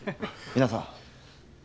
皆さん。